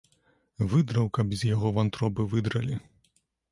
Выдраў, каб з яго вантробы выдралі.